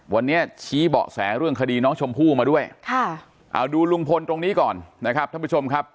วันนี้ชี้เบาะแสเรื่องคดีน้องชมพู่มาด้วยค่ะเอาดูลุงพลตรงนี้ก่อนนะครับท่านผู้ชมครับ